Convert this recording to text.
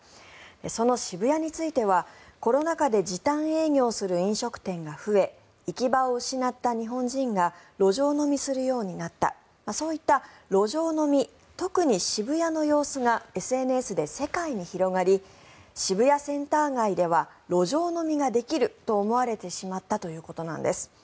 その渋谷については、コロナ禍で時短営業する飲食店が増え行き場を失った日本人が路上飲みするようになったそういった路上飲み特に渋谷の様子がＳＮＳで世界に広がり渋谷センター街では路上飲みができると思われてしまったということなんです。